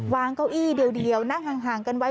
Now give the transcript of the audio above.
เก้าอี้เดียวนั่งห่างกันไว้